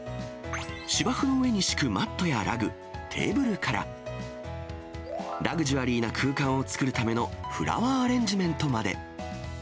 芝生の上に敷くマットやラグ、テーブルから、ラグジュアリーな空間を作るためのフラワーアレンジメントまで。